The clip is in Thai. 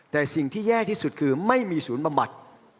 แต่สิ่งที่แย่ที่สุดคือไม่มีศูนย์บำบัด